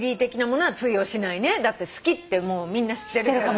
だって好きってみんな知ってるから。